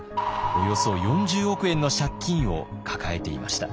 およそ４０億円の借金を抱えていました。